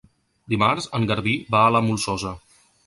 Dimarts en Garbí va a la Molsosa.